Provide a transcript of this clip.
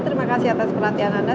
terima kasih atas perhatian anda